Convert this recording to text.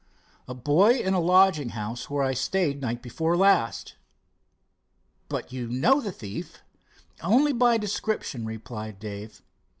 "A boy in a lodging house where I stayed night before last." "But you know the thief?" "Only by description," replied Dave.